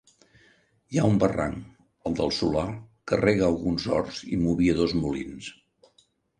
Hi ha un barranc, el del Solà, que rega alguns horts i movia dos molins.